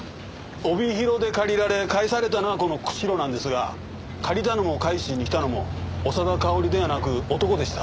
帯広で借りられ返されたのはこの釧路なんですが借りたのも返しに来たのも長田かおりではなく男でした。